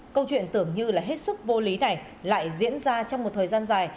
câu chuyện tưởng như là hết sức vô lý này lại diễn ra trong một thời gian dài